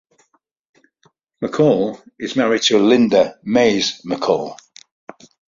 McCaul is married to Linda Mays McCaul.